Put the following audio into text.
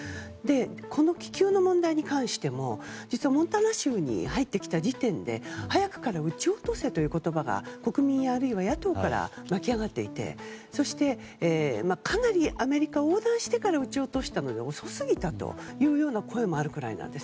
この気球の問題に関しても実はモンタナ州に入ってきた時点で早くから撃ち落とせという言葉が国民あるいは野党から湧き上がっていてそしてかなりアメリカを横断してから撃ち落としたので遅すぎたという声もあるくらいなんです。